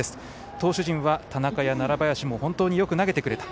投手陣は田中や楢林もよく投げてくれた。